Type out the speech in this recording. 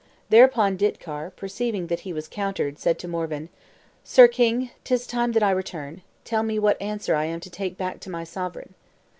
Thereupon Ditcar, perceiving that he was countered, said to Morvan, "Sir king, 'tis time that I return; tell me what answer I am to take back to my sovereign."